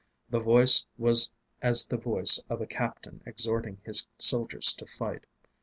The Voice was as the Voice of a Captain exhorting his soldiers to fight.